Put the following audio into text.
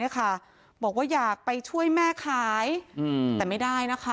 ก็ค่าใช้จ่ายดูค่ะ